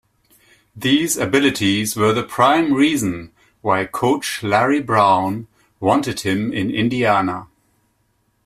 These abilities were the prime reason why coach Larry Brown wanted him in Indiana.